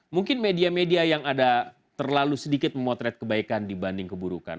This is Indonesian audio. mungkin media media yang ada terlalu sedikit memotret kebaikan dibanding keburukan